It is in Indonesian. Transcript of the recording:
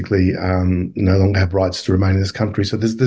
karena mereka tidak lagi memiliki hak untuk tinggal di negara ini